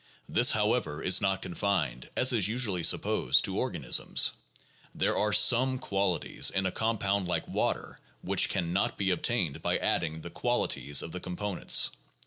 This, however, is not confined, as is usually supposed, to organisms. There are some qualities in a compound like water which can not be obtained by adding the qualities of the components.